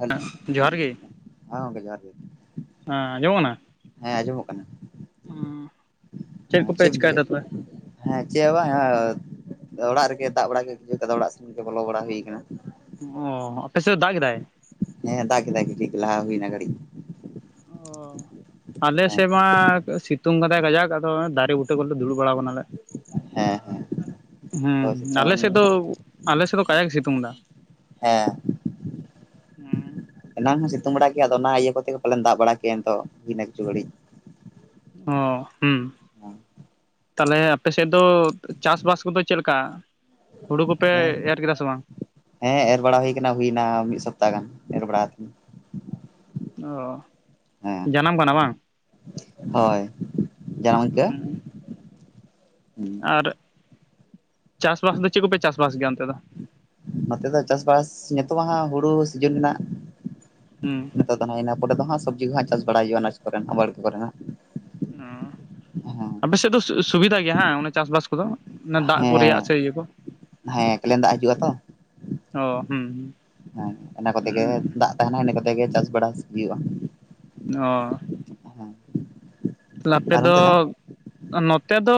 Hello ᱦᱮᱸ ᱡᱚᱦᱟᱨ ᱜᱮ ᱦᱮᱸ ᱜᱚᱢᱠᱮ ᱡᱚᱦᱟᱨ ᱜᱮᱼᱼ ᱦᱮᱸ ᱟᱡᱚᱢᱚᱜ ᱠᱟᱱᱟ [unintelligible] ᱪᱮᱫ ᱠᱚ ᱯᱮ ᱮᱢ ᱪᱮᱠᱟᱭ ᱫᱟ ᱪᱤᱠᱟᱹᱭᱮᱫ ᱛᱚᱵᱮᱼᱼ ᱦᱮᱸ ᱪᱮᱫ ᱦᱚᱸ ᱵᱟᱝ ᱚᱲᱟᱜ ᱨᱮ ᱜᱮ ᱫᱟᱜ ᱵᱟᱲᱟ ᱜᱮ [unintelligible] ᱠᱟᱫᱟ ᱚᱲᱟᱜ ᱥᱮᱱ ᱜᱮ ᱵᱚᱞᱚ ᱵᱟᱲᱟ ᱦᱩᱭ ᱟᱠᱟᱱᱟ ᱚᱻ ᱟᱯᱮᱥᱮᱫ ᱫᱟᱜ ᱠᱮᱫᱟᱭ ᱦᱮᱸ ᱫᱟᱜ ᱠᱮᱫᱟᱭ ᱠᱟᱴᱤᱡ ᱜᱮ ᱞᱟᱦᱟ ᱦᱩᱭ ᱱᱟ ᱜᱷᱟᱨᱤᱼᱼ ᱟᱞᱮ ᱦᱮᱸ ᱥᱮᱫ ᱢᱟ ᱥᱤᱛᱩᱝ ᱠᱟᱫᱟᱭ ᱜᱟᱡᱟᱠ ᱟᱫᱚ ᱫᱟᱨᱮ ᱵᱩᱴᱟᱹ ᱠᱚᱨᱮᱞᱮ ᱫᱩᱲᱩᱵ ᱵᱟᱲᱟᱟᱣ ᱠᱟᱱᱟᱞᱮ ᱦᱮᱸ ᱦᱮᱸ ᱦᱩᱸ ᱦᱳᱭ ᱟᱞᱮ ᱥᱤᱛᱩᱝ ᱥᱮᱫ ᱫᱚ ᱟᱞᱮ ᱥᱮᱫ ᱫᱚ ᱠᱟᱡᱟᱠ ᱜᱮ ᱥᱤᱛᱩᱝ ᱫᱟ ᱦᱮᱸ ᱦᱩᱸ ᱮᱱᱟᱝ ᱦᱚᱸ ᱥᱤᱛᱩᱝ ᱵᱟᱲᱟ ᱠᱮᱜᱼᱟ ᱟᱫᱚ ᱚᱱᱟ ᱤᱭᱟᱹ ᱠᱚ ᱛᱮ ᱜᱮ ᱯᱟᱞᱮᱱ ᱫᱟᱜ ᱵᱟᱲᱟ ᱠᱮᱜᱼᱟ ᱱᱤᱛᱚᱜ ᱦᱤᱱᱟᱹ ᱠᱤᱪᱩ ᱜᱷᱟᱹᱲᱤᱡ᱾ ᱚ ᱦᱩᱢ ᱛᱟᱦᱚᱞᱮ ᱟᱯᱮ ᱥᱮᱫ ᱫᱚ ᱪᱟᱥ ᱵᱟᱥ ᱠᱚ ᱫᱚ ᱪᱮᱫ ᱞᱮᱠᱟ? ᱦᱩᱲᱩ ᱠᱚ ᱯᱮ ᱦᱮᱸ ᱮᱨ ᱠᱮᱫᱟ ᱥᱮ ᱵᱟᱝᱼᱼ ᱦᱮᱸ ᱮᱨ ᱵᱟᱲᱟ ᱦᱩᱭ ᱟᱠᱟᱱᱟ ᱦᱩᱭᱱᱟ ᱢᱤᱫ ᱥᱚᱯᱛᱟᱦ ᱜᱟᱱ ᱮᱨ [unintelligible] ᱚ ᱦᱮᱸ ᱡᱟᱱᱟᱢ ᱠᱟᱱᱟ ᱵᱟᱝᱼᱼ ᱦᱳᱭ ᱡᱟᱢ ᱟᱹᱭᱠᱟᱹᱜᱼᱟ ᱟᱨ ᱪᱟᱥ ᱵᱟᱥ ᱫᱚ ᱪᱮᱫ ᱠᱚ ᱯᱮ ᱪᱟᱥᱵᱟᱥ ᱜᱮᱭᱟ ᱚᱱᱛᱮ ᱫᱚᱼᱼ ᱱᱚᱛᱮ ᱫᱚ ᱪᱟᱥ ᱵᱟᱥ ᱱᱤᱛᱚᱜ ᱢᱟ ᱦᱩᱲᱩ ᱥᱤᱡᱤᱱ ᱨᱮᱱᱟᱜᱼᱼ ᱦᱩᱢ ᱱᱤᱛᱚᱜ ᱫᱚ ᱦᱟᱸ ᱤᱱᱟᱹ ᱯᱚᱨᱮ ᱫᱚ ᱦᱟᱸᱜ ᱥᱚᱵᱽᱡᱤ ᱠᱚ ᱦᱟᱸᱜ ᱪᱟᱥ ᱵᱟᱲᱟᱭ ᱦᱩᱭᱩᱜᱼᱟ ᱚᱱᱟ ᱠᱚ ᱨᱮᱱᱟᱜ ᱵᱟᱲᱜᱮ ᱠᱚ ᱨᱮᱱᱟᱜᱼᱼ ᱚ ᱟᱯᱮ ᱥᱮᱫ ᱫᱚ ᱥᱩᱵᱤᱫᱷᱟ ᱜᱮᱭᱟ ᱚᱱᱮ ᱪᱟᱥ ᱵᱟᱥ ᱠᱚ ᱫᱚᱼᱼ ᱚᱱᱟ ᱫᱟᱜ ᱠᱚ ᱦᱮᱸ ᱨᱮᱭᱟᱜ ᱥᱮ ᱤᱭᱟᱹ ᱠᱚ ᱦᱮᱸ ᱠᱮᱞᱮᱱ ᱫᱟᱜ ᱦᱤᱡᱩᱜᱼᱟ ᱛᱚᱼᱼ ᱚ ᱦᱩᱸ ᱤᱱᱟᱹ ᱠᱚᱛᱮ ᱜᱮ ᱚ ᱫᱟᱜ ᱛᱟᱦᱮᱱᱟ ᱤᱱᱟᱹ ᱠᱚᱛᱮ ᱜᱮ ᱪᱟᱥ ᱵᱟᱲᱟ ᱦᱩᱭᱩᱜᱼᱟ ᱚ ᱦᱮᱸ ᱛᱟᱦᱚᱞᱮ ᱟᱯᱮ ᱟᱨ ᱫᱚ ᱚᱱᱛᱮ ᱱᱚᱛᱮ ᱫᱚᱼᱼ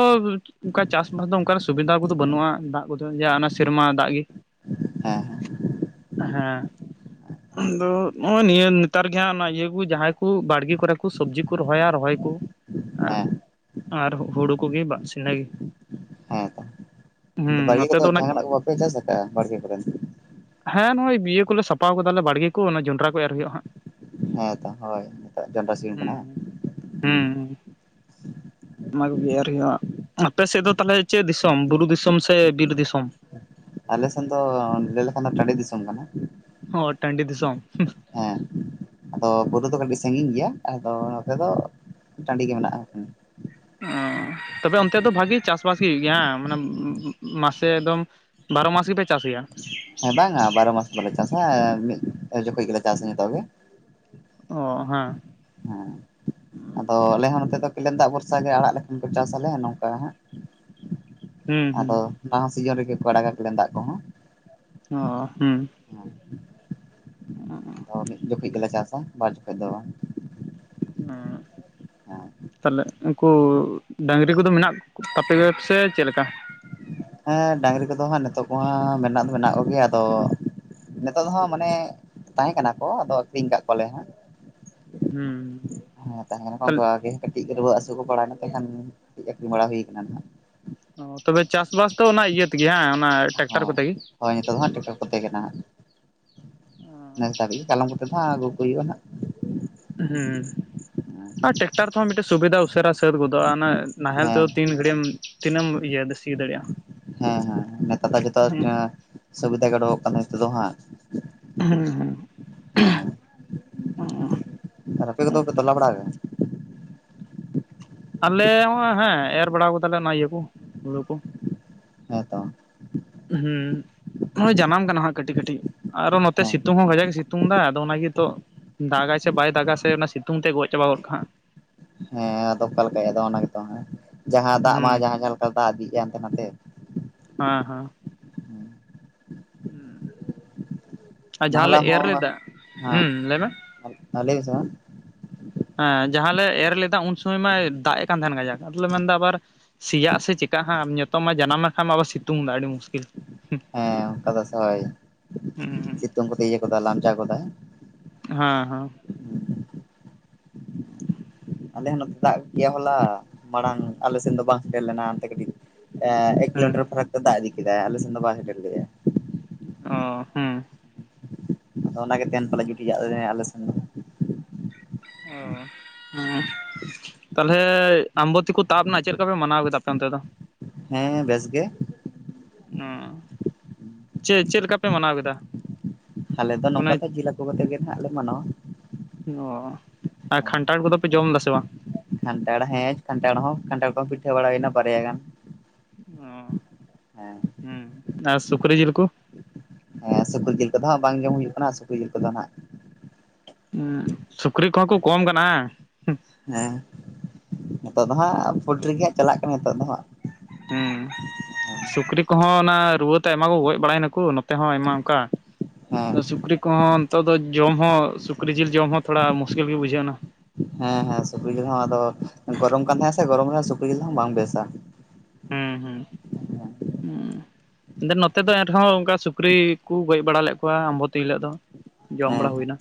ᱚᱱᱠᱟ ᱪᱟᱥᱵᱟᱥ ᱫᱚ ᱚᱱᱠᱟᱱᱟᱜ ᱥᱩᱵᱤᱫᱷᱟ ᱠᱚᱫᱚ ᱵᱟᱹᱱᱩᱜᱼᱟ ᱫᱟᱜ ᱠᱚᱫᱚ ᱡᱟ ᱚᱱᱟ ᱥᱮᱨᱢᱟ ᱫᱟᱜ ᱜᱮᱼᱼ ᱦᱮᱸ ᱦᱮᱸ ᱟᱫᱚ ᱱᱚᱜᱚᱭ ᱱᱤᱭᱟᱹ ᱱᱮᱛᱟᱨ ᱜᱮ ᱦᱟᱸᱜ ᱤᱭᱟᱹ ᱠᱚ ᱡᱟᱦᱟᱸᱭ ᱠᱚ ᱵᱟᱲᱜᱮ ᱠᱚᱨᱮ ᱠᱚ ᱥᱚᱵᱽᱡᱤ ᱠᱚ ᱨᱚᱦᱚᱭᱟ ᱨᱚᱦᱚᱭ ᱠᱚᱼᱼ ᱟᱨ ᱦᱮᱸ ᱟᱨ ᱦᱩᱲᱩ ᱠᱚ ᱜᱮ ᱵᱟᱥᱱᱟ ᱜᱮᱼᱼ ᱦᱮᱸ ᱛᱚ ᱵᱟᱲᱜᱮ ᱱᱚᱛᱮ ᱠᱚᱫᱚ ᱫᱚ ᱚᱱᱟ ᱡᱟᱦᱟᱱᱟᱜ ᱠᱚ ᱵᱟᱯᱮ ᱪᱟᱥ ᱟᱠᱟᱜᱼᱟ ᱵᱟᱲᱜᱮ ᱠᱚᱨᱮᱱᱼᱼ ᱦᱮᱸ ᱱᱚᱜ ᱚᱭ ᱤᱭᱟᱹ ᱠᱚᱞᱮ ᱥᱟᱯᱷᱟ ᱠᱟᱫᱟᱞᱮ ᱵᱟᱲᱜᱮ ᱠᱚ ᱡᱚᱱᱰᱨᱟ ᱠᱚ ᱮᱨ ᱦᱩᱭᱩᱜᱼᱟ ᱦᱟᱸᱜ ᱦᱮᱸ ᱛᱚ ᱦᱚᱭᱼᱼ ᱦᱮᱸ ᱦᱩᱸ ᱦᱮᱸ ᱚᱱᱟ ᱠᱚ ᱨᱮᱱᱟᱜ ᱜᱮ ᱟᱨᱠᱤ ᱟᱯᱮ ᱥᱮᱫ ᱫᱚ ᱛᱟᱦᱚᱞᱮ ᱪᱮᱫ ᱫᱤᱥᱚᱢ ᱵᱩᱨᱩ ᱫᱤᱥᱚᱢ ᱥᱮ ᱵᱤᱨ ᱫᱤᱥᱚᱢ ᱟᱞᱮ ᱥᱮᱱ ᱫᱚ ᱞᱟᱹᱭ ᱞᱮᱠᱷᱟᱱ ᱫᱚ ᱴᱟᱰᱤ ᱫᱤᱥᱚᱢ ᱠᱟᱱᱟ ᱚ ᱴᱟᱺᱰᱤ ᱫᱤᱥ ᱫᱤᱥᱚᱢᱼᱼ ᱦᱮᱸ ᱟᱫᱚ ᱵᱩᱨᱩ ᱫᱚ ᱠᱟᱹᱴᱤᱡ ᱥᱟᱺᱜᱤᱧ ᱜᱮᱭᱟ ᱟᱫᱚ ᱱᱚᱛᱮ ᱫᱚ ᱴᱟᱺᱰᱤ ᱜᱮ ᱢᱮᱱᱟᱜ ᱛᱚᱵᱮ ᱚᱱᱛᱮ ᱫᱚ ᱵᱷᱟᱜᱤ ᱪᱟᱥ ᱵᱟᱥ ᱜᱮ ᱦᱩᱭᱩᱜ ᱜᱮᱭᱟ ᱢᱟᱱᱮ ᱢᱟᱥᱮ ᱮᱠᱫᱚᱢ ᱵᱟᱨᱚ ᱢᱟᱥ ᱜᱮᱯᱮ ᱪᱟᱥ ᱜᱮᱭᱟ ᱦᱮᱸ ᱵᱟᱝᱟ ᱵᱟᱨᱚ ᱢᱟᱥ ᱫᱚ ᱵᱟᱞᱮ ᱪᱟᱥᱟ ᱢᱤᱫ ᱡᱚᱠᱷᱚᱱ ᱜᱮᱞᱮ ᱪᱟᱥᱟ ᱡᱚᱛᱚ ᱜᱮ ᱚ ᱦᱮᱸ ᱾ ᱦᱮᱸ ᱾ ᱟᱫᱚ ᱟᱞᱮ ᱦᱚᱸ ᱱᱚᱛᱮ ᱫᱚ ᱠᱮᱞᱮᱱ ᱫᱟᱜ ᱵᱷᱚᱨᱥᱟ ᱜᱮ, ᱟᱲᱟᱜ ᱞᱮᱠᱷᱟᱱ ᱠᱚ ᱪᱟᱥ ᱟᱞᱮ ᱱᱚᱝᱠᱟ ᱦᱟᱸᱜ ᱦᱩᱸ ᱾ ᱟᱫᱚ ᱦᱩᱸ ᱱᱚᱣᱟ ᱥᱤᱡᱮᱱ ᱨᱮᱜᱮ ᱠᱚ ᱟᱲᱟᱜᱟ ᱠᱮᱞᱮᱱ ᱫᱟᱜ ᱠᱚᱦᱚᱸ ᱾ ᱚ, ᱦᱩᱸ ᱾ ᱚᱸ-ᱚᱸ-ᱟᱸ-ᱟᱸ ᱾ ᱟᱫᱚ ᱢᱤᱫ ᱡᱚᱠᱷᱮᱡ ᱜᱮᱞᱮ ᱪᱟᱥᱟ ᱵᱟᱨ ᱡᱚᱠᱷᱚᱡ ᱫᱚ ᱵᱟᱝ ᱾ ᱱᱟᱸᱜ ᱾ ᱦᱮᱸ-ᱠᱳᱵ ᱾ ᱯᱟᱞᱮᱫ, ᱩᱱᱠᱩ ᱰᱟᱹᱟᱝᱨᱤ ᱠᱚᱫᱚ ᱢᱮᱱᱟᱜ ᱠᱚ ᱛᱟᱯᱮᱭᱟ ᱥᱮ ᱪᱮᱫ ᱞᱮᱠᱟ? ᱦᱮᱸ, ᱰᱟᱹᱝᱨᱤ ᱠᱚᱫᱚ ᱦᱟᱸᱜ ᱱᱤᱛᱚᱜ ᱠᱚ ᱦᱟᱸ ᱢᱮᱱᱟᱜ ᱫᱚ ᱢᱮᱱᱟᱜ ᱠᱚᱜᱮᱭᱟ ᱟᱫᱚ ᱱᱤᱛᱚᱜ ᱫᱚ ᱦᱟᱸᱜ ᱢᱟᱱᱮ ᱛᱟᱦᱮᱸ ᱠᱟᱱᱟ ᱠᱚ ᱟᱫᱚ ᱟᱹᱠᱷᱨᱤᱧ ᱟᱠᱟᱫ ᱠᱚᱣᱟᱞᱮ ᱦᱟᱸᱜ ᱾ ᱦᱩᱸ ᱾ ᱦᱮᱸ ᱛᱟᱦᱮᱸᱱ ᱠᱷᱟᱱ ᱠᱚ ᱟᱜᱮ ᱠᱟᱹᱴᱤᱡ ᱨᱩᱣᱟᱹ ᱦᱟᱹᱥᱩ ᱠᱚ ᱵᱟᱲᱟᱭᱱ ᱱᱠᱷᱟᱱ ᱠᱟᱹᱴᱤᱡ ᱟᱹᱠᱷᱨᱤᱧ ᱵᱟᱲᱟ ᱦᱳᱭ ᱟᱠᱟᱱᱟ ᱱᱟᱜ ᱾ ᱚ, ᱛᱚᱵᱮ ᱪᱟᱥᱵᱟᱥ ᱫᱚ ᱚᱱᱟ ᱤᱭᱟᱹ ᱛᱮᱜᱮ ᱟᱸᱸ ᱚᱱᱟ ᱴᱨᱟᱠᱴᱟᱨ ᱦᱳᱭ ᱠᱚᱛᱮ ᱜᱮ ᱾ ᱦᱳᱭ, ᱱᱤᱛᱚᱜ ᱫᱚ ᱦᱟᱸᱜ ᱴᱨᱟᱠᱴᱟᱨ ᱠᱚᱛᱮ ᱜᱮ ᱱᱟᱦᱟᱜ, ᱱᱮᱥ ᱫᱷᱟᱹᱵᱤᱡ ᱜᱮ ᱠᱟᱞᱚᱢ ᱠᱚᱛᱮ ᱫᱚ ᱦᱟᱸᱜ ᱟᱹᱜᱩ ᱠᱚ ᱦᱩᱭᱩᱜᱼᱟ ᱦᱟᱸᱜ ᱾ ᱦᱩᱸ, ᱟᱨ ᱴᱮᱠᱴᱟᱨ ᱠᱚᱦᱚᱸ ᱢᱤᱫᱴᱮᱱ ᱥᱩᱵᱤᱫᱟ ᱩᱥᱟᱹᱨᱟ ᱥᱟᱹᱛ ᱜᱚᱫᱚᱜᱼᱟ ᱱᱟᱜ ᱾ ᱱᱟᱦᱮᱞ ᱦᱮᱸ ᱛᱮᱫᱚ ᱛᱤᱱ ᱜᱷᱟᱹᱲᱤᱡ ᱮᱢ ᱛᱤᱱᱟᱹᱜ ᱮᱢ ᱤᱭᱟᱹᱥᱤ ᱫᱟᱲᱮᱭᱟᱜᱼᱟ ᱾ ᱦᱮᱸ ᱦᱮᱸ ᱱᱮᱛᱟᱨ ᱫᱚ ᱡᱚᱛᱚ ᱮᱸ ᱥᱩᱵᱤᱫᱟ ᱜᱮ ᱚᱸᱰᱚᱜᱚᱜ ᱠᱟᱱᱟ ᱱᱮᱥᱛᱮᱫᱚ ᱦᱟᱸᱜ ᱾ ᱦᱮᱸ ᱫᱷᱩᱸ-ᱠᱷᱮᱸ--ᱩᱸ ᱟᱨ ᱟᱯᱮ ᱠᱚ ᱫᱚ ᱯᱮ ᱛᱟᱞᱟ ᱵᱟᱲᱟ ᱟᱞᱮ ᱦᱚᱸ ᱦᱮᱸ ᱮᱨ ᱵᱟᱲᱟ ᱟᱠᱟᱫᱟᱞᱮ ᱚᱱᱟ ᱤᱭᱟᱹ ᱠᱚ ᱦᱩᱲᱩ ᱠᱚ ᱾ ᱛᱟᱝ-ᱰᱷᱩᱜ ᱤᱹᱦ-ᱦᱩᱸᱻ ᱱᱚᱜᱚᱭ ᱡᱟᱱᱟᱢ ᱠᱟᱱᱟ ᱦᱟᱸᱜ ᱠᱟᱹᱴᱤᱡ ᱠᱟᱹᱴᱤᱡ ᱟᱨᱚ ᱱᱚᱛᱮ ᱦᱮᱸ ᱥᱤᱛᱩᱝ ᱦᱚᱸ ᱠᱟᱡᱟᱜ ᱥᱤᱛᱩᱝ ᱮᱫᱟ ᱟᱫᱚ ᱚᱱᱟᱜᱮᱛᱚ ᱫᱟᱜᱟᱭ ᱥᱮ ᱵᱟᱭ ᱫᱟᱜᱟ ᱥᱮ ᱚᱱᱟ ᱥᱤᱛᱩᱝ ᱛᱮ ᱜᱚᱡ ᱪᱟᱵᱟ ᱜᱚᱫ ᱠᱟᱜ ᱟ ᱦᱟᱸᱜ ᱾ ᱦᱮᱸ ᱟᱫᱚ ᱚᱠᱟ ᱞᱮᱠᱟᱭ ᱚᱱᱟ ᱜᱮᱛᱚ ᱦᱟᱸᱜ ᱡᱟᱦᱟᱸ ᱫᱟᱜ ᱦᱩᱸ ᱢᱟ ᱡᱟᱦᱟᱸ, ᱡᱟᱦᱟᱸ ᱞᱮᱠᱟ ᱫᱟᱜ ᱤᱫᱤ ᱠᱟᱱ ᱛᱟᱦᱮᱸ ᱦᱟᱱᱛᱮ-ᱱᱟᱛᱮ ᱦᱟᱸ-ᱦᱟᱸ ᱾ ᱦᱩᱸ, ᱩᱢ-ᱪᱟ ᱟᱨ ᱦᱚᱞᱟ ᱡᱟᱦᱟᱸᱞᱮ ᱮᱨ ᱞᱮᱫᱟ, ᱦᱩᱸ᱾ ᱞᱟᱹᱭᱢᱮ? ᱟ-ᱟᱞᱮᱭᱤᱡ ᱥᱟ ᱦᱮᱸ ᱡᱟᱦᱟᱸ ᱞᱮ ᱮᱨ ᱞᱮᱫᱟ ᱩᱱ ᱥᱚᱢᱚᱭ ᱢᱟᱭ ᱫᱟᱜ ᱮᱜ ᱠᱟᱱ ᱛᱟᱦᱮᱱ ᱜᱟᱡᱟᱠ ᱟᱫᱚᱞᱮ ᱢᱮᱱᱫᱟ ᱟᱵᱟᱨ ᱥᱮᱭᱟᱜ-ᱟ ᱥᱮ ᱪᱮᱠᱟᱜ ᱟᱦᱟᱸᱜ ᱡᱚᱛᱚ ᱢᱟ ᱡᱟᱱᱟᱢ ᱟᱠᱟᱱ ᱟᱢ ᱥᱤᱛᱩᱝ ᱟᱲᱤ ᱢᱩᱥᱠᱤᱞ ᱾ ᱦᱮᱸ ᱚᱱᱠᱟ ᱫᱚ ᱥᱟᱵᱟᱵᱤᱠ,? ᱦᱩᱸ ᱦᱮᱸ ᱪᱮᱫ ᱡᱚᱢ ᱠᱚᱛᱮ ᱤᱭᱟᱹᱠᱚᱛᱮ ᱞᱟᱢᱪᱟ ᱜᱚᱫᱟᱭ? ᱮᱯ-ᱪᱟ, ᱦᱮᱸ ᱦᱮᱸ ᱾ ᱜᱲᱚᱸ-ᱪᱷᱟᱝ ᱾ ᱟᱞᱮ ᱦᱚᱸ ᱱᱚᱛᱮ ᱫᱟᱜ ᱠᱮᱭᱟ ᱦᱚᱞᱟ, ᱢᱟᱲᱟᱝ ᱟᱞᱮ ᱥᱮᱱ ᱫᱚ ᱵᱟᱝ ᱥᱮᱴᱮᱨ ᱞᱮᱱᱟ ᱚᱱᱛᱮ ᱠᱟᱹᱴᱤᱡ ᱾ ᱮᱸ ᱮᱠ ᱦᱮᱸ ᱠᱤᱞᱳᱢᱤᱴᱟᱨ ᱯᱷᱟᱨᱟᱠ ᱛᱮ ᱫᱟᱜ ᱤᱫᱤ ᱠᱮᱫᱟ ᱟᱞᱮ ᱥᱮᱱ ᱫᱚ ᱵᱟᱭ ᱥᱮᱴᱮᱨ ᱞᱮᱜᱟ ᱾ ᱚ ᱻᱦᱩᱸ ᱾ ᱚᱱᱟᱜᱮ ᱛᱮᱦᱮᱱ ᱯᱟᱞᱮ ᱡᱩᱴᱤᱡᱟᱜ ᱟᱞᱮ ᱥᱮᱱ ᱾ ᱠᱩᱠᱩᱲ-ᱪᱩᱝ-ᱦᱮᱸ, ᱚ -ᱦᱮᱸ ᱾ ᱪᱷᱤᱠᱤ, ᱛᱟᱞᱦᱮ ᱟᱢᱵᱚᱛᱛᱤ ᱠᱚ ᱛᱟᱵ ᱱᱟ ᱪᱮᱫ ᱞᱮᱠᱟ ᱯᱮ ᱢᱟᱱᱟᱣ ᱠᱮᱫᱟ ᱟᱯᱮ ᱚᱱᱛᱮ ᱫᱚ? ᱦᱮᱸᱦᱮᱸ, ᱵᱮᱹᱥ ᱜᱮ ᱾ ᱟᱸ ᱪᱮᱫ, ᱪᱮᱫ ᱞᱮᱠᱟ ᱯᱮ ᱢᱟᱱᱟᱣ ᱠᱮᱫᱟ? ᱟᱞᱮ ᱫᱚ ᱢᱟᱱᱮ ᱱᱚᱝᱠᱟ ᱫᱚ ᱡᱮᱹᱞ ᱦᱟᱠᱳ ᱠᱟᱛᱮ ᱜᱮ ᱦᱟᱸᱜ ᱞᱮ ᱢᱟᱱᱟᱣᱟ ᱾ ᱱ-ᱣ-ᱟ, ᱟᱨ ᱠᱷᱟᱱᱴᱷᱟᱲ ᱠᱚᱫᱚ ᱯᱮ ᱡᱚᱢ ᱫᱟ ᱥᱮ ᱵᱟᱝ? ᱠᱷᱟᱱᱴᱷᱟᱲ ᱦᱮᱸ ᱠᱷᱟᱱᱴᱷᱟᱲ ᱦᱚᱸ ᱠᱷᱟᱱᱴᱷᱟᱲ ᱠᱚᱦᱚᱸ ᱯᱤᱴᱷᱟᱹ ᱵᱟᱲᱟ ᱦᱩᱭ ᱮᱱᱟ ᱵᱟᱨᱭᱟ ᱜᱟᱱ ᱚ ᱦᱮᱸ ᱦᱮᱸ ᱟᱨ ᱥᱩᱠᱨᱤ ᱡᱤᱞ ᱠᱚ? ᱮ ᱥᱩᱠᱨᱤ ᱡᱤᱞ ᱠᱚ ᱫᱚ ᱦᱟᱸᱜ ᱵᱟᱝ ᱡᱚᱢ ᱦᱩᱭᱩᱜ ᱠᱟᱱᱟ ᱥᱩᱠᱨᱤ ᱡᱤᱞ ᱠᱚ ᱫᱚ ᱦᱟᱸᱜᱼᱼ ᱦᱩᱸ ᱥᱩᱠᱨᱤ ᱠᱚ ᱦᱚᱸ ᱠᱚ ᱠᱚᱢ ᱠᱟᱱᱟ ᱦᱮᱸᱼᱼ ᱦᱮᱸ ᱱᱤᱛᱚᱜ ᱫᱚ ᱦᱟᱸᱜ ᱯᱳᱞᱴᱨᱤ ᱜᱮ ᱦᱟᱸᱜ ᱪᱟᱞᱟᱜ ᱠᱟᱱᱟ ᱱᱤᱛᱚᱜ ᱫᱚ ᱦᱟᱸᱜᱼᱼ ᱦᱩᱸ [unintelligible] ᱥᱩᱠᱨᱤ ᱠᱚ ᱦᱚᱸ ᱚᱱᱟ ᱨᱩᱣᱟᱹ ᱛᱮ ᱟᱭᱢᱟ ᱠᱚ ᱜᱚᱡ ᱵᱟᱲᱟᱭ ᱱᱟᱠᱚ ᱱᱚᱛᱮ ᱦᱚᱸ ᱟᱭᱢᱟ ᱚᱱᱠᱟᱼᱼ ᱦᱮᱸ ᱥᱩᱠᱨᱤ ᱠᱚ ᱦᱚᱸ ᱱᱤᱛᱚᱜ ᱫᱚ ᱡᱚᱢ ᱦᱚᱸ ᱥᱩᱠᱨᱤ ᱡᱤᱞ ᱡᱚᱢ ᱦᱚᱸ ᱛᱷᱚᱲᱟ ᱢᱩᱥᱠᱤᱞ ᱜᱮ ᱵᱩᱡᱷᱟᱹᱣ ᱮᱱᱟ ᱦᱮᱸ ᱦᱮᱸ ᱥᱩᱠᱨᱤ ᱡᱤᱞ ᱦᱚᱸ ᱟᱫᱚ ᱜᱚᱨᱚᱢ ᱠᱟᱱ ᱛᱟᱦᱮᱸ ᱥᱮ ᱜᱚᱨᱚᱢ ᱨᱮ ᱥᱩᱠᱨᱤ ᱡᱤᱞ ᱦᱚᱸ ᱵᱟᱝ ᱵᱮᱥᱟ [inaudible] ᱦᱩ ᱢᱮᱱ ᱱᱚᱛᱮ ᱫᱚ ᱮᱱ ᱨᱮᱦᱚᱸ ᱚᱱᱠᱟ ᱥᱩᱠᱨᱤ ᱠᱚ ᱜᱚᱡ ᱵᱟᱲᱟ ᱞᱮᱫ ᱠᱚᱣᱟ ᱟᱢᱵᱚᱛᱤ ᱦᱤᱞᱳᱜ ᱫᱚᱼᱼ ᱡᱚᱢ ᱦᱮᱸ ᱵᱟᱲᱟ ᱦᱩᱭ ᱮᱱᱟ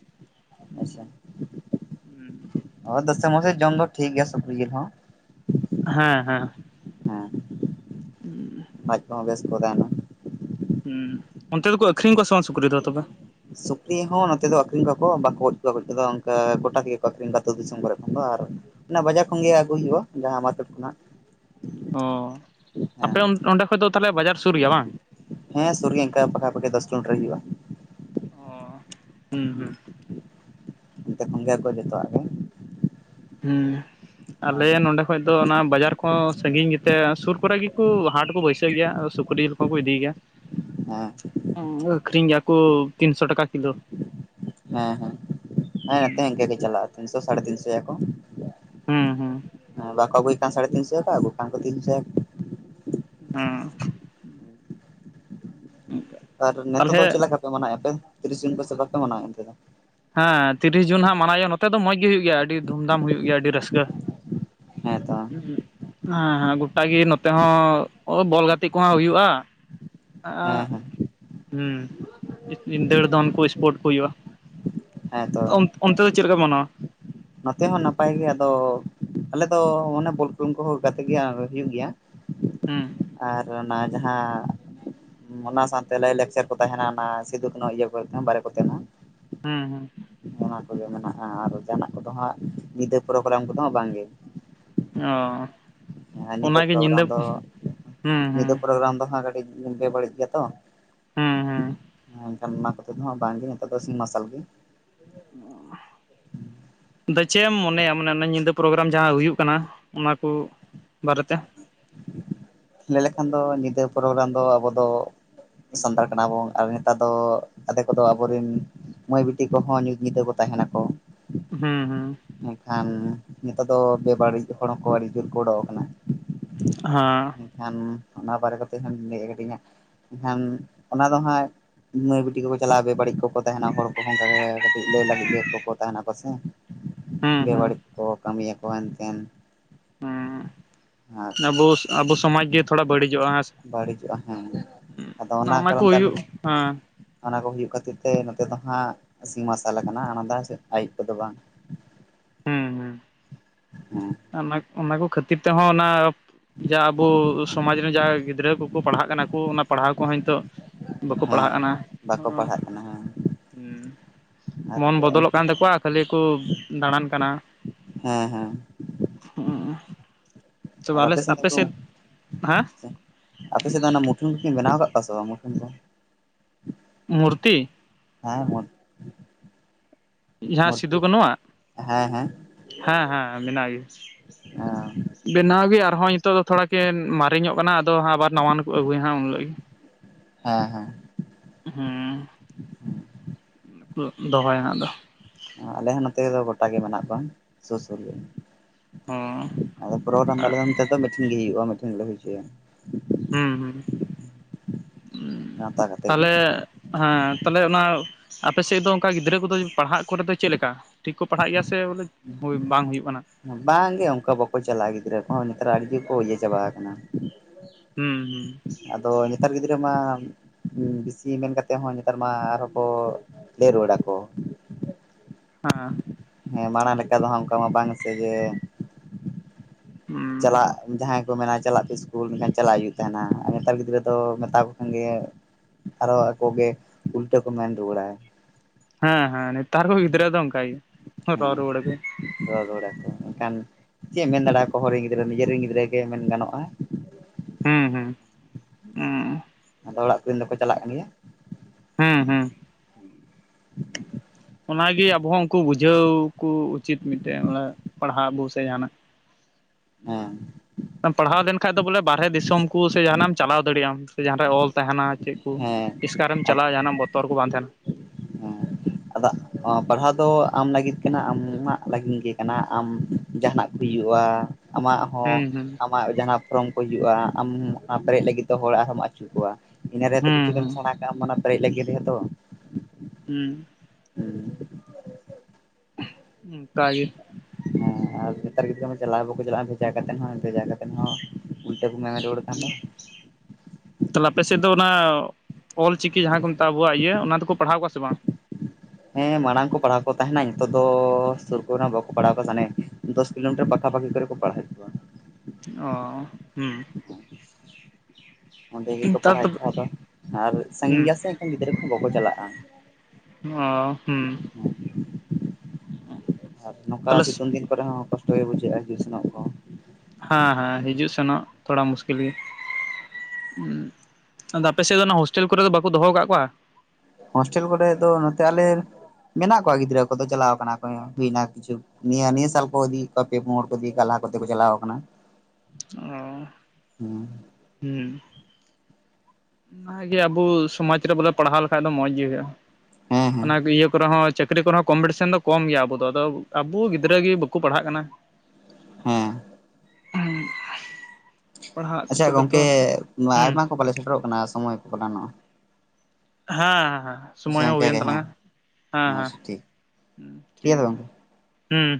ᱚ ᱫᱚᱥᱮ ᱢᱟᱥᱮ ᱡᱚᱢ ᱫᱚ ᱴᱷᱤᱠ ᱜᱮᱭᱟ ᱥᱩᱠᱨᱤ ᱡᱤᱞ ᱦᱚᱸᱼᱼ ᱦᱮᱸ ᱦᱮᱸ ᱞᱟᱹᱡ ᱠᱚ ᱦᱚᱸ ᱵᱮᱥ ᱠᱚ ᱛᱟᱦᱮᱱᱟ ᱦᱩᱸ ᱚᱱᱛᱮ ᱫᱚ ᱠᱚ ᱟᱹᱠᱷᱨᱤᱧ ᱠᱚᱣᱟ ᱥᱮ ᱵᱟᱝ ᱥᱩᱠᱨᱤ ᱫᱚ ᱛᱚᱵᱮ? ᱥᱩᱠᱨᱤ ᱦᱚᱸ ᱱᱚᱛᱮ ᱫᱚ ᱟᱹᱠᱷᱨᱤᱧ ᱠᱚᱣᱟ ᱠᱚ ᱵᱟᱠᱚ ᱜᱚᱡ ᱠᱚᱣᱟ ᱜᱚᱡ ᱠᱚ ᱫᱚ ᱚᱱᱠᱟ ᱜᱚᱴᱟ ᱛᱮᱜᱮ ᱠᱚ ᱟᱹᱠᱷᱨᱤᱧ ᱠᱚᱣᱟ ᱟᱹᱛᱩ ᱫᱤᱥᱚᱢ ᱠᱚᱨᱮ ᱠᱷᱚᱱ ᱫᱚ ᱟᱨ ᱚᱱᱟ ᱵᱟᱡᱟᱨ ᱠᱷᱚᱱ ᱜᱮ ᱟᱹᱜᱩᱭ ᱦᱩᱭᱩᱜᱼᱟ ᱡᱟᱦᱟᱸ ᱢᱟᱨᱠᱮᱴ ᱠᱷᱚᱱᱟᱜ ᱚᱻ ᱦᱮᱸ ᱟᱯᱮ ᱚᱸᱰᱮ ᱠᱷᱚᱡ ᱫᱚ ᱛᱟᱦᱚᱞᱮ ᱵᱟᱡᱟᱨ ᱥᱩᱨ ᱜᱮᱭᱟ ᱵᱟᱝ? ᱦᱮᱸ ᱥᱩᱨ ᱜᱮ ᱤᱱᱠᱟ ᱯᱟᱠᱟ ᱯᱟᱠᱤ ᱫᱚᱥ ᱠᱤᱞᱳ ᱢᱤᱴᱟᱨ ᱨᱮ ᱦᱩᱭᱩᱜᱼᱟ ᱚ ᱦᱩᱸ ᱦᱩᱸᱼᱼ [unintelligible] ᱠᱚ ᱡᱚᱛᱚᱣᱟᱜ ᱜᱮᱼᱼ ᱦᱩᱸ ᱦᱮᱸ ᱟᱞᱮ ᱱᱚᱸᱰᱮ ᱠᱷᱚᱡ ᱫᱚ ᱚᱱᱟ ᱵᱟᱡᱟᱨ ᱠᱷᱚᱱ ᱥᱟᱸᱹᱜᱤᱧ ᱜᱮᱛᱮ ᱥᱩᱨ ᱠᱚᱨᱮ ᱜᱮᱠᱩ ᱦᱟᱴ ᱠᱚ ᱵᱟᱹᱭᱥᱟᱹᱣ ᱜᱮᱭᱟ ᱥᱩᱠᱨᱤ ᱦᱚᱸ ᱠᱚ ᱤᱫᱤᱭ ᱜᱮᱭᱟ [unintelligible] ᱟᱹᱠᱷᱨᱤᱧ ᱜᱮᱭᱟ ᱠᱚ ᱛᱤᱱᱥᱚ ᱴᱟᱠᱟ ᱠᱤᱞᱳ ᱦᱮᱸ ᱦᱮᱸ ᱦᱮᱸ ᱦᱩᱸ ᱱᱚᱛᱮ ᱤᱱᱠᱟᱹ ᱜᱮ ᱪᱟᱞᱟᱜᱼᱟ ᱛᱤᱱᱥᱚ ᱥᱟᱲᱮ ᱛᱤᱱᱥᱚᱭᱟ ᱠᱚᱼᱼ ᱦᱮᱸ ᱦᱮᱸ ᱦᱮ ᱵᱟᱠᱚ ᱟᱜᱩᱭ ᱠᱷᱟᱱ ᱥᱟᱲᱮ ᱛᱤᱱᱥᱚᱭᱟ ᱠᱚ ᱟᱜᱩ ᱠᱷᱟᱱ ᱠᱚ ᱛᱤᱱᱥᱚᱭᱟ ᱦᱩᱸ ᱟᱨ ᱛᱟᱦᱚᱞᱮ ᱱᱤᱛᱚᱜ ᱫᱚ ᱪᱮᱫ ᱞᱮᱠᱟ ᱯᱮ ᱢᱟᱱᱟᱣᱮᱫ ᱟᱯᱮ ᱛᱤᱨᱤᱥ ᱡᱩᱱ ᱠᱚ ᱥᱮᱫ ᱵᱟᱯᱮ ᱢᱟᱱᱟᱣᱮᱜ ᱚᱱᱛᱮ ᱫᱚᱼᱼ ᱦᱮᱸ ᱛᱤᱨᱤᱥ ᱡᱩᱱ ᱦᱟᱸᱜ ᱢᱟᱱᱟᱣᱭᱟᱼᱟ ᱱᱚᱛᱮ ᱫᱚ ᱢᱚᱸᱡᱽ ᱜᱮ ᱦᱩᱭᱩᱜ ᱜᱮᱭᱟ ᱟᱹᱰᱤ ᱫᱷᱩᱢᱫᱷᱟᱢ ᱦᱩᱭᱩᱜ ᱜᱮᱭᱟ ᱟᱹᱰᱤ ᱨᱟᱹᱥᱠᱟᱹᱼᱼ ᱦᱮᱸ ᱛᱚ ᱦᱮᱸ ᱦᱮᱸ ᱜᱚᱴᱟ ᱜᱮ ᱱᱚᱛᱮ ᱦᱚᱸ ᱵᱚᱞ ᱜᱟᱛᱮᱜ ᱠᱚ ᱦᱟᱸᱜ ᱦᱩᱭᱩᱜᱼᱟ ᱦᱮᱸ ᱦᱮᱸ ᱦᱩᱸ ᱫᱟᱹᱲ ᱫᱚᱱ ᱠᱚ ᱥᱯᱳᱨᱴ ᱠᱚ ᱦᱩᱭᱩᱜᱼᱟ ᱦᱮᱸ ᱛᱚ ᱚᱱᱛᱮ ᱫᱚ ᱪᱮᱫᱠᱟ ᱢᱟᱱᱟᱣᱟ ᱱᱚᱛᱮ ᱦᱚᱸ ᱱᱟᱯᱟᱭ ᱜᱮ ᱟᱫᱚ ᱟᱞᱮ ᱫᱚ ᱚᱱᱮ ᱵᱚᱞ ᱠᱷᱮᱞ ᱠᱚᱦᱚᱸ ᱜᱟᱛᱮ ᱜᱮᱭᱟ ᱟᱨ ᱦᱩᱭᱩᱜ ᱜᱮᱭᱟ [unintelligible] ᱦᱮᱸ ᱟᱨ ᱚᱱᱟ ᱡᱟᱦᱟᱸᱼᱼ ᱚᱱᱟ ᱥᱟᱶᱛᱮ ᱞᱟᱭᱼᱞᱟᱠᱪᱟᱨ ᱠᱚ ᱛᱟᱦᱮᱱᱟ ᱚᱱᱟ ᱥᱤᱫᱩᱠᱟᱱᱩ ᱤᱭᱟᱹ ᱠᱚ ᱵᱟᱨᱮ ᱠᱚᱛᱮ ᱱᱟ, ᱼᱼ ᱦᱩᱸ ᱦᱩᱸ᱾ ᱚᱱᱟ ᱠᱚᱜᱮ ᱢᱮᱱᱟᱜᱼᱟ ᱟᱨ ᱡᱟᱦᱟᱱᱟᱜ ᱠᱚᱫᱚ ᱦᱟᱸᱜ ᱧᱤᱫᱟᱹ ᱯᱚᱨᱚᱜᱨᱟᱢ ᱠᱚᱫᱚ ᱦᱟᱸᱜ ᱵᱟᱝᱜᱮ᱾ ᱚᱻᱻ᱾ ᱦᱮ ᱱᱤᱫᱟᱹ ᱯᱨᱳᱜᱨᱟᱢ ᱫᱚ ᱦᱩᱸ ᱱᱤᱫᱟᱹ ᱦᱩᱸ ᱯᱨᱳᱜᱨᱟᱢ ᱫᱚ ᱦᱟᱸᱜ ᱠᱟᱹᱴᱤᱡ ᱵᱮ ᱵᱟᱹᱲᱤᱡ ᱜᱮᱭᱟ ᱛᱚ᱾ ᱦᱩᱸ ᱦᱩᱸ ᱦᱮᱸ ᱮᱱᱠᱷᱟᱱ ᱚᱱᱟ ᱠᱚᱛᱮ ᱫᱚ ᱦᱟᱜ ᱵᱟᱝᱜᱮ ᱱᱮᱛᱟᱨ ᱫᱚ ᱥᱤᱧ ᱢᱟᱨᱥᱟᱞ ᱜᱮ, [unintelligible] ᱟᱫᱚ ᱪᱮᱜ ᱮᱢ ᱢᱚᱱᱮᱭᱟ ᱢᱟᱱᱮ ᱧᱤᱫᱟᱹ ᱯᱨᱳᱜᱨᱟᱢ ᱡᱟᱦᱟᱸ ᱦᱩᱭᱩᱜ ᱠᱟᱱᱟ ᱚᱱᱟ ᱠᱚ ᱵᱟᱨᱮ ᱛᱮ? ᱞᱟᱹᱭ ᱞᱮᱠᱷᱟᱱ ᱫᱚ ᱧᱤᱫᱟᱹ ᱯᱨᱳᱜᱨᱟᱢ ᱫᱚ ᱟᱵᱚ ᱫᱚ ᱥᱟᱱᱛᱟᱲ ᱠᱟᱱᱟᱵᱚᱱ, ᱟᱨ ᱱᱮᱛᱟᱨ ᱫᱚ ᱟᱫᱮ ᱠᱚᱫᱚ ᱟᱵᱚᱨᱤᱱ ᱢᱟᱹᱭ ᱵᱤᱴᱤ ᱠᱚᱦᱚᱸ ᱧᱩᱛ ᱧᱤᱫᱟᱹ ᱠᱚ ᱛᱟᱦᱮᱱᱟ ᱠᱚ, ᱦᱩᱸ ᱦᱩᱸ ᱢᱮᱱᱠᱷᱟᱱ ᱱᱮᱛᱟᱨ ᱫᱚ ᱵᱮ ᱵᱟᱹᱲᱤᱡ ᱦᱚᱲᱠᱚ ᱟᱹᱰᱤ ᱡᱳᱨ ᱠᱚ ᱚᱰᱚᱠ ᱟᱠᱟᱱᱟ᱾ ᱦᱟᱸ᱾ ᱮᱱᱠᱷᱟᱱ ᱚᱱᱟ ᱵᱟᱨᱮ ᱠᱚᱛᱮ ᱦᱚ ᱞᱟᱹᱭ ᱦᱟᱴᱤᱧᱟ ᱮᱱᱠᱷᱟᱱ ᱚᱱᱟ ᱫᱚ ᱦᱟᱸᱜ ᱢᱟᱹᱭ ᱵᱤᱴᱤ ᱠᱚᱠᱚ ᱪᱟᱞᱟᱜᱼᱟ ᱵᱮᱵᱟᱹᱲᱤᱡ ᱠᱚᱠᱚ ᱛᱟᱦᱮᱱᱟ ᱦᱚᱲ ᱠᱚᱦᱚᱸ ᱚᱱᱠᱟ ᱜᱮ ᱠᱟᱹᱴᱤᱡ ᱞᱟᱹᱭ ᱞᱟᱹᱜᱤᱫ ᱛᱮ ᱠᱚ ᱛᱟᱦᱮᱱᱟ ᱯᱟᱥᱮ, ᱦᱩᱸ ᱵᱮ ᱦᱩᱸ ᱵᱟᱹᱲᱤᱡ ᱠᱚ ᱠᱟᱹᱢᱤᱭᱟ ᱠᱚ ᱦᱮᱱᱛᱮᱱ᱾ ᱦᱩᱸ ᱟᱵᱚ ᱟᱵᱚ ᱥᱚᱢᱟᱡᱽ ᱡᱟᱹᱛ ᱛᱷᱚᱲᱟ ᱵᱟᱹᱲᱤᱡᱚᱜᱼᱟ ᱦᱮᱸ ᱥᱮ, ᱵᱟᱹᱲᱤᱡᱚᱜᱼᱟ ᱦᱮᱸ ᱟᱫᱚ ᱚᱱᱟ ᱠᱚ ᱠᱟᱨᱚᱱ ᱛᱮ ᱟᱞᱮ ᱦᱩᱭᱩᱜ ᱦᱮᱸ ᱚᱱᱟ ᱠᱚ ᱦᱩᱭᱩᱜ ᱠᱷᱟᱹᱛᱤᱨ ᱛᱮ ᱱᱚᱛᱮ ᱫᱚ ᱦᱟᱸᱜ ᱥᱤᱧ ᱢᱟᱨᱥᱟᱞ ᱟᱠᱟᱱᱟ ᱚᱱᱟ ᱫᱚ ᱟᱹᱭᱩᱵ ᱠᱚᱫᱚ ᱵᱟᱝ᱾ ᱦᱩᱸ ᱦᱩᱸ ᱦᱩᱸ ᱚᱱᱟ ᱚᱱᱟ ᱠᱚ ᱠᱷᱟᱹᱛᱤᱨ ᱛᱮᱦᱚᱸ ᱚᱱᱟ ᱡᱟ ᱟᱵᱚ ᱥᱚᱢᱟᱡᱽ ᱨᱮᱱ ᱡᱟ ᱜᱤᱫᱽᱨᱟᱹ ᱠᱚᱠᱚ ᱯᱟᱲᱦᱟᱜ ᱠᱟᱱᱟ ᱠᱚ ᱚᱱᱟ ᱯᱟᱲᱦᱟᱣ ᱠᱚᱦᱚᱸ ᱱᱤᱛᱚᱜ ᱵᱟᱠᱚ ᱦᱮᱸ ᱯᱟᱲᱦᱟᱜ ᱠᱟᱱᱟ᱾ ᱵᱟᱠᱚ ᱯᱟᱲᱦᱟᱜ ᱠᱟᱱᱟ ᱦᱮᱸ ᱟᱨ ᱢᱚᱱ ᱵᱚᱫᱚᱞᱚᱜ ᱩᱱᱠᱤᱱ ᱠᱟᱱ ᱛᱟᱠᱚᱣᱟ ᱠᱷᱟᱹᱞᱤ ᱠᱚ ᱫᱟᱬᱟᱱ ᱠᱟᱱᱟ᱾ ᱦᱮᱸ ᱦᱮᱸ᱾ ᱦᱮᱸ ᱛᱚᱵᱮ ᱟᱞᱮ ᱟᱯᱮ ᱥᱮᱫ ᱦᱮᱸ ᱟᱯᱮ ᱥᱮᱫ ᱫᱚ ᱚᱱᱟ ᱢᱩᱴᱷᱟᱹᱱ ᱠᱚᱠᱤᱱ ᱵᱮᱱᱟᱣ ᱟᱠᱟᱫ ᱠᱚᱣᱟ ᱥᱮ ᱵᱟᱝ ᱢᱩᱴᱷᱟᱹᱱ ᱠᱚ? ᱢᱩᱨᱛᱤ? ᱦᱮᱸ ᱡᱟᱦᱟᱸ ᱢᱩᱨᱛᱤ ᱥᱤᱫᱩ ᱠᱟᱹᱱᱩ ᱣᱟᱜ ᱦᱮᱸ ᱦᱮᱸ ᱦᱮᱸ ᱦᱮᱸ ᱵᱮᱱᱟᱣ ᱜᱮ᱾ [unintelligible] ᱵᱮᱱᱟᱣ ᱜᱮ ᱟᱨᱦᱚᱸ ᱱᱤᱛᱚᱜ ᱫᱚ ᱛᱷᱚᱲᱟ ᱠᱤ ᱢᱟᱨᱮ ᱧᱚᱜ ᱠᱟᱱᱟ ᱟᱫᱚ ᱦᱟᱸᱜ ᱟᱵᱟᱨ ᱱᱟᱣᱟᱟᱱ ᱠᱚ ᱟᱹᱜᱩᱭᱟ ᱦᱟᱜ ᱩᱱ ᱦᱤᱞᱳ ᱜᱮ᱾ ᱦᱮᱸ ᱦᱮᱸ ᱦᱩᱸ, ᱫᱚᱦᱚᱭᱟ ᱦᱟᱜ ᱫᱚ ᱟᱞᱮ ᱦᱚᱸ ᱱᱚᱛᱮ ᱫᱚ ᱜᱚᱴᱟ ᱜᱮ ᱢᱮᱱᱟᱜ ᱠᱚᱣᱟ ᱥᱩᱨ ᱥᱩᱨ ᱜᱮ᱾ ᱦᱩᱸ ᱟᱫᱚ ᱯᱨᱳᱜᱨᱟᱢ ᱟᱫᱚ ᱟᱞᱮ ᱫᱚ ᱱᱚᱱᱛᱮ ᱫᱚ ᱢᱤᱴᱮᱱ ᱜᱮ ᱦᱩᱭᱩᱜᱼᱟ ᱢᱤᱫᱴᱮᱱ ᱜᱮᱞᱮ ᱦᱚᱪᱚᱭᱟ᱾ ᱦᱩᱸ ᱦᱩᱸ ᱜᱟᱶᱛᱟ ᱠᱟᱛᱮ ᱜᱮ ᱛᱟᱦᱚᱞᱮ ᱦᱮᱸ ᱛᱟᱦᱚᱞᱮ ᱚᱱᱟ ᱟᱯᱮ ᱥᱮᱫ ᱫᱚ ᱚᱱᱠᱟ ᱜᱤᱫᱽᱨᱟᱹ ᱠᱚᱫᱚ ᱯᱟᱲᱦᱟᱜ ᱠᱚᱨᱮᱮᱫ ᱫᱚ ᱪᱮᱫ ᱞᱮᱠᱟ ᱴᱷᱤᱠ ᱠᱚ ᱯᱟᱲᱦᱟᱜ ᱜᱮᱭᱟ ᱥᱮ ᱵᱚᱞᱮ ᱦᱩᱭ ᱵᱟᱝ ᱦᱩᱭᱩᱜ ᱠᱟᱱᱟ᱾ ᱵᱟᱝᱜ ᱜᱮ ᱚᱱᱠᱟ ᱵᱟᱠᱚ ᱪᱟᱞᱟᱜᱼᱟ ᱜᱤᱫᱽᱨᱟᱹ ᱠᱚᱦᱚᱸ ᱱᱮᱛᱟᱨ ᱟᱹᱰᱤ ᱜᱮᱠᱚ ᱤᱭᱟᱹ ᱪᱟᱵᱟ ᱟᱠᱟᱱᱟ᱾ ᱦᱩᱸ ᱦᱩᱸ᱾ ᱟᱫᱚ ᱱᱮᱛᱟᱨ ᱜᱤᱫᱽᱨᱟᱹ ᱢᱟ, ᱵᱮᱥᱤ ᱢᱮᱱ ᱠᱟᱛᱮᱫ ᱦᱚᱸ ᱱᱮᱛᱟᱨ ᱢᱟ ᱟᱨᱦᱚᱸ ᱠᱚ, ᱞᱮ ᱨᱩᱣᱟᱹᱲᱟᱠᱚ᱾ ᱦᱟᱸ᱾ ᱦᱮᱸ ᱢᱟᱲᱟᱝ ᱞᱮᱠᱟ ᱫᱚ ᱦᱟᱸᱜ ᱚᱱᱠᱟ ᱢᱟ ᱵᱟᱝ ᱥᱮ ᱡᱮ? ᱦᱩᱸ ᱪᱟᱞᱟᱜ ᱡᱟᱦᱟᱸᱭ, ᱢᱮᱱᱟ ᱠᱚ ᱪᱟᱞᱟᱜ ᱯᱮ ᱤᱥᱠᱩᱞ ᱢᱮᱱᱠᱷᱟᱱ ᱪᱟᱞᱟᱜ ᱦᱩᱭᱩᱜ ᱛᱟᱦᱮᱱᱟ ᱟᱨ ᱱᱮᱛᱟᱨ ᱜᱤᱫᱽᱨᱟᱹ ᱫᱚ ᱢᱮᱛᱟ ᱠᱚ ᱠᱷᱟᱱ ᱜᱮ? ᱟᱨᱦᱚ ᱟᱠᱚᱜᱮ ᱩᱞᱴᱟᱹ ᱠᱚ ᱢᱮᱱ ᱨᱩᱣᱟᱹᱲᱟ᱾ ᱦᱮᱸ ᱦᱮᱸ ᱱᱮᱛᱟᱨ ᱠᱚ ᱜᱤᱫᱽᱨᱟᱹ ᱫᱚ ᱚᱱᱠᱟ᱾ ᱨᱚ ᱦᱮᱸ, ᱨᱩᱣᱟᱹᱲ ᱟᱠᱚ ᱨᱚᱲ ᱨᱩᱣᱟᱹᱲ ᱟᱠᱚ ᱮᱱᱠᱷᱟᱱ ᱪᱮᱫ ᱮᱢ ᱢᱮᱱ ᱫᱟᱲᱮ ᱟᱠᱚ ᱦᱚᱲᱨᱮᱱ ᱜᱤᱫᱽᱨᱟᱹ ᱱᱤᱡᱮᱱ ᱜᱤᱫᱽᱨᱟᱹ ᱜᱮ ᱢᱮᱱ ᱜᱟᱱᱚᱜᱼᱟ᱾ ᱦᱩᱸ ᱦᱩᱸ, ᱩᱜ ᱟᱫᱚ ᱚᱲᱟᱜ ᱠᱚ ᱫᱤᱱ ᱫᱚᱠᱚ ᱪᱟᱞᱟᱜ ᱠᱟᱱ ᱜᱮᱭᱟ᱾ ᱦᱩᱸ ᱦᱩᱸ, ᱚᱱᱟᱜᱮ ᱟᱵᱚ ᱦᱚᱸ ᱩᱱᱠᱩ ᱵᱩᱡᱷᱟᱹᱣ ᱠᱩ ᱩᱪᱤᱛ ᱢᱤᱫᱴᱮᱱ ᱚᱲᱟᱜ ᱯᱟᱲᱦᱟᱜ ᱵᱩ ᱥᱮ ᱡᱟᱦᱟᱱᱟᱜ? ᱦᱮᱸ, ᱯᱟᱲᱦᱟᱣ ᱞᱮᱱᱠᱷᱟᱱᱡ ᱫᱚ ᱵᱚᱞᱮ ᱵᱟᱨᱦᱮ ᱫᱤᱥᱚᱢ ᱠᱚ ᱥᱮ ᱡᱟᱦᱟᱱᱟᱜ ᱟᱢ ᱪᱟᱞᱟᱣ ᱫᱟᱲᱮᱭᱟᱜᱼᱟᱢ ᱥᱮ ᱡᱟᱦᱟᱸᱨᱮ ᱚᱞ ᱛᱟᱦᱮᱱᱟ ᱪᱮᱫ? ᱠᱚ ᱦᱮᱸ ᱤᱥᱠᱟᱨᱮᱢ ᱟᱫᱚ ᱪᱟᱞᱟᱜᱼᱟ ᱡᱟᱦᱟᱱᱟᱜ ᱵᱚᱛᱚᱨ ᱠᱚ ᱵᱟᱝ ᱛᱟᱦᱮᱱᱟ᱾ ᱟᱫᱚ ᱯᱟᱲᱦᱟᱣ ᱫᱚ ᱟᱢ ᱞᱟᱹᱜᱤᱫ ᱠᱟᱱᱟ ᱟᱢᱟᱜ ᱞᱟᱹᱜᱤᱫ ᱜᱮ ᱠᱟᱱᱟ ᱟᱢ, ᱡᱟᱦᱟᱱᱟᱜ ᱠᱚ ᱦᱩᱭᱩᱜᱼᱟ ᱟᱢᱟᱜ ᱦᱚᱸ ᱦᱩᱸ ᱦᱩᱸ ᱟᱢ ᱟᱢᱟᱜ ᱡᱟᱦᱟᱸ ᱯᱷᱨᱚᱢ ᱠᱚ ᱦᱤᱡᱩᱜᱼᱟ ᱟᱢ ᱚᱱᱟ ᱯᱮᱨᱮᱡ ᱞᱟᱹᱜᱤᱫ ᱛᱮ ᱦᱚᱲ ᱟᱨᱦᱚᱢ ᱟᱹᱪᱩ ᱠᱚᱣᱟ᱾ ᱤᱱᱟ ᱨᱮᱦᱛᱚ ᱦᱩᱸ ᱠᱤᱪᱷᱩᱢ ᱦᱩᱸ ᱥᱮᱬᱟ ᱠᱟᱜᱼᱟ ᱢᱟᱱᱮ ᱯᱨᱮᱡ ᱞᱟᱹᱜᱤᱫ ᱨᱮᱦᱚᱸᱛᱚ᱾ ᱦᱩᱸ, ᱦᱮᱸ ᱚᱱᱠᱟ ᱠᱟᱜᱮ᱾ ᱟᱨ ᱱᱮᱛᱟᱨ ᱜᱤᱫᱽᱨᱟᱹ ᱪᱟᱞᱟ ᱵᱟᱠᱚ ᱪᱟᱞᱟᱜᱼᱟ ᱵᱷᱮᱡᱟ ᱠᱟᱛᱮᱫ ᱦᱚᱸ ᱵᱷᱮᱡᱟ ᱠᱟᱛᱮ, ᱦᱩᱸ, ᱛᱟᱦᱚᱞᱮ ᱟᱯᱮᱥᱮᱫ ᱫᱚ ᱚᱱᱟ ᱚᱞ ᱪᱤᱠᱤ ᱡᱟᱦᱟᱸ ᱠᱚ ᱢᱮᱛᱟᱜᱼᱟ ᱟᱵᱚᱣᱟᱜ ᱤᱭᱟᱹ ᱚᱱᱟ ᱫᱚᱠᱚ ᱯᱟᱲᱦᱟᱣ ᱠᱚᱣᱟ ᱥᱮ ᱵᱟᱝ? ᱦᱮᱸ ᱢᱟᱲᱟᱝ ᱠᱚ ᱯᱟᱲᱦᱟᱣ ᱠᱚ ᱛᱟᱦᱮᱱᱟ ᱱᱤᱛᱚᱜ ᱫᱚ ᱥᱩᱨ ᱠᱚᱨᱮ ᱦᱚᱸ ᱵᱟᱠᱚ ᱯᱟᱲᱦᱟᱣ ᱠᱚᱣᱟᱱᱮ᱾ ᱠᱤᱞᱳᱢᱤᱴᱟᱨ ᱯᱠᱷᱷᱟ ᱯᱟᱠᱷᱤ ᱠᱚᱨᱮ ᱠᱚ ᱯᱟᱲᱦᱟᱣᱮᱫ ᱠᱚᱭᱟ ᱾ ᱚ, ᱦᱩᱸ, ᱚᱸᱰᱮ ᱜᱮᱠᱚ ᱱᱮᱛᱟᱨ ᱯᱟᱲᱦᱟᱣ ᱫᱚ ᱮᱫ ᱠᱚᱣᱟ ᱟᱫᱚ ᱟᱨ ᱥᱟᱺᱜᱤᱧ ᱦᱩᱸ ᱜᱮᱭᱟ ᱥᱮ ᱮᱠᱷᱚᱱ ᱜᱤᱫᱽᱨᱟᱹ ᱠᱚᱦᱚᱸ ᱵᱟᱠᱚ ᱪᱟᱞᱟᱜᱼᱟ᱾ ᱦᱚ ᱦᱩᱸ, ᱟᱨ ᱱᱚᱝᱠᱟ ᱛᱟᱦᱞᱮ ᱥᱤᱛᱩᱝ ᱫᱤᱱ ᱠᱚᱨᱮ ᱦᱚᱸ ᱠᱚᱥᱴᱚ ᱜᱮ ᱵᱩᱡᱷᱟᱹᱜᱼᱟ ᱦᱤᱡᱩᱜ ᱥᱮᱱᱚᱜ ᱠᱚᱦᱚ᱾ ᱦᱮᱸ ᱦᱮᱸ, ᱦᱤᱡᱩᱜ ᱥᱮᱱᱚᱜ ᱛᱷᱚᱲᱟ ᱢᱩᱥᱠᱤᱞ ᱜᱮ ᱦᱩᱸ, ᱟᱫᱚ ᱟᱯᱮ ᱥᱮᱫ ᱫᱚ ᱚᱱᱟ ᱦᱳᱥᱴᱮᱞ ᱠᱚᱨᱮ ᱫᱚ ᱵᱟᱠᱚ ᱫᱚᱦᱚ ᱟᱠᱟᱫ ᱠᱚᱣᱟ? ᱦᱳᱥᱴᱮᱞ ᱠᱚᱨᱮ ᱫᱚ ᱱᱚᱛᱮ ᱟᱞᱮ ᱢᱮᱱᱟᱜ ᱠᱚᱣᱟ ᱜᱤᱫᱽᱨᱟᱹ ᱠᱚᱫᱚ ᱪᱟᱞᱟᱣ ᱠᱟᱱᱟ ᱠᱚ ᱦᱩᱭᱱᱟ ᱠᱤᱪᱷᱩ ᱱᱤᱭᱟᱹ ᱱᱤᱭᱟᱹ ᱥᱟᱞ ᱠᱚ ᱤᱫᱤ ᱠᱟᱜ ᱠᱚᱭᱟ, ᱯᱮ ᱯᱳᱲ ᱦᱚᱲ ᱠᱚ ᱤᱫᱤ ᱠᱟ ᱞᱟᱦᱟ ᱠᱚᱛᱮ ᱠᱚ ᱪᱟᱞᱟᱣ ᱠᱟᱱᱟ᱾ ᱚ, ᱦᱮᱸ ᱦᱩᱸ, ᱚᱱᱟᱜᱮ ᱟᱵᱚ ᱥᱚᱢᱟᱡ ᱨᱮ ᱵᱚᱞᱮ ᱯᱟᱲᱦᱟᱣ ᱞᱮᱠᱷᱟᱡ ᱫᱚ ᱢᱚᱸᱡᱽ ᱜᱮ ᱦᱩᱭᱩᱜᱼᱟ᱾ ᱦᱮᱸ ᱚᱱᱟ ᱤᱭᱟᱹ ᱠᱚᱨᱮ ᱦᱚᱸ ᱪᱟᱹᱠᱨᱤ ᱠᱚᱨᱮ ᱦᱚᱸ ᱠᱚᱢᱯᱤᱴᱤᱥᱮᱱ ᱫᱚ ᱠᱚᱢ ᱜᱮᱭᱟ ᱟᱵᱚ ᱫᱚ, ᱟᱫᱚ ᱟᱵᱚ ᱜᱤᱫᱽᱨᱟᱹ ᱜᱮ ᱵᱟᱠᱚ ᱯᱟᱲᱦᱟᱜ ᱠᱟᱱᱟ᱾ ᱦᱮᱸ, ᱦᱚᱸ ᱟᱪᱪᱷᱟ ᱜᱚᱝᱠᱮ ᱦᱩᱸ ᱟᱭᱢᱟ ᱠᱚ ᱯᱟᱞᱮ ᱥᱮᱴᱮᱨᱚᱜ ᱠᱟᱱᱟ ᱥᱚᱢᱚᱭ ᱠᱚ ᱯᱟᱞᱮᱱᱚᱜ, ᱦᱮᱸ ᱦᱮᱸ ᱦᱮᱸ ᱟᱪᱪᱷᱟ ᱥᱚᱢᱚᱭ ᱦᱚᱸ ᱤᱱᱠᱟᱹ ᱦᱩᱭᱮᱱ ᱜᱮ ᱦᱮᱸ ᱛᱟᱞᱟᱝᱟ᱾ ᱦᱮᱸ ᱦᱮᱸ, ᱟᱪᱪᱷᱟ ᱴᱷᱤᱠ ᱴᱷᱤᱠ ᱜᱮᱭᱟ ᱴᱷᱤᱠ ᱛᱚᱵᱮ ᱜᱚᱝᱠᱮ ᱦᱩᱸ